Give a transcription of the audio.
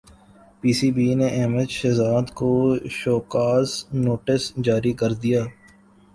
پی C B نے احمد شہزاد کو show cause notice جاری کردیا